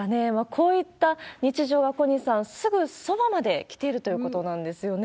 こういった日常が、小西さん、すぐそばまで来ているということなんですよね。